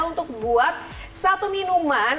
untuk buat satu minuman